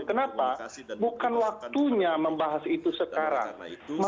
kenapa bukan waktunya membahas itu sekarang